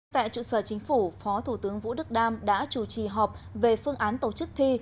tại trụ sở chính phủ phó thủ tướng vũ đức đam đã chủ trì họp về phương án tổ chức thi